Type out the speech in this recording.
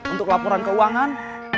untuk laporan keuangan